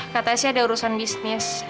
katanya sih ada urusan bisnis